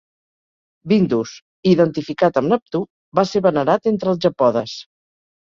"Bindus", identificat amb Neptú, va ser venerat entre el Japodes.